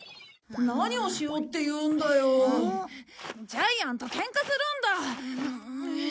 ジャイアンとケンカするんだ！